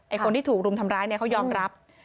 คนที่ถูกรุมทำร้ายเนี่ยเขายอมรับ